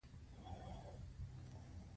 د دې پوښتنې ځواب هو دی ځکه پنبه چمتو شوې.